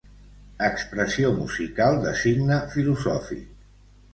Expressió musical de signe filosòfic.